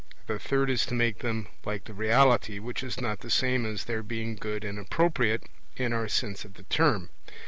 The third is to make them like the reality, which is not the same as their being good and appropriate, in our sense of the term.